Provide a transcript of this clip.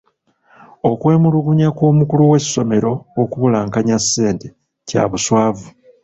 Okwemulugunya kw'omukulu w'essomero okubulankanya ssente kya buswavu.